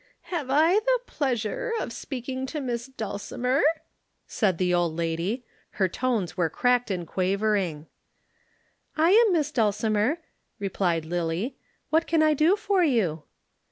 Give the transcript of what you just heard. "Have I the pleasure of speaking to Miss Dulcimer?" said the old lady. Her tones were cracked and quavering. "I am Miss Dulcimer," replied Lillie. "What can I do for you?"